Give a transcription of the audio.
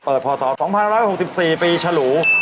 เปิดพศ๒๐๖๔ปีฉรู